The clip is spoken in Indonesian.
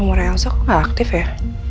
nomor elsa kok gak aktif ya